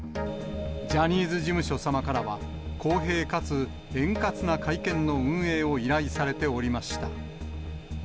ジャニーズ事務所様からは、公平かつ円滑な会見の運営を依頼されておりました。